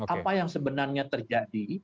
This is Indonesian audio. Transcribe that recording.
apa yang sebenarnya terjadi